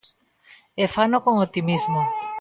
E fano con optimismo.